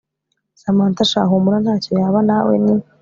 Samantha sha humura ntacyo yaba nawe ni